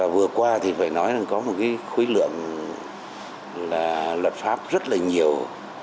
vừa qua thì phải nói là có một khối lượng luật pháp rất là nhiều